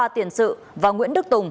ba tiền sự và nguyễn đức tùng